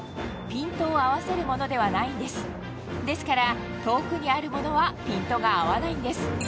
ピントを合わせるものではないんですですから遠くにあるものはピントが合わないんです